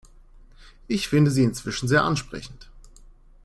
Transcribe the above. Ich finde sie inzwischen sehr ansprechend.